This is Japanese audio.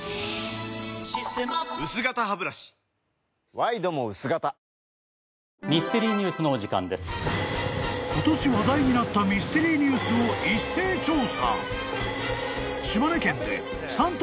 ワイドも薄型［今年話題になったミステリーニュースを一斉調査］